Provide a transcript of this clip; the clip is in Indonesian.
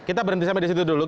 kita berhenti disitu dulu ya